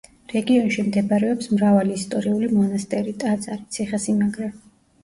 რეგიონში მდებარეობს მრავალი ისტორიული მონასტერი, ტაძარი, ციხესიმაგრე.